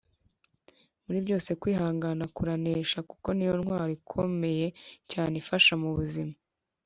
Muri byose kwihangana kuranesha kuko niyo ntwaro ikomeye cyane ifasha mubuzima